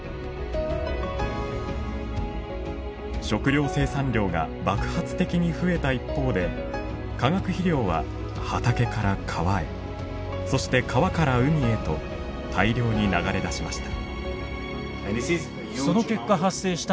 食糧生産量が爆発的に増えた一方で化学肥料は畑から川へそして川から海へと大量に流れ出しました。